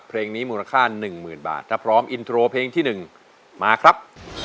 เพลงนี้มูลค่าหนึ่งหมื่นบาทแล้วพร้อมอินโทรเพลงที่หนึ่งมาครับ